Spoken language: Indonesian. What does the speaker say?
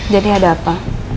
jadi ada apa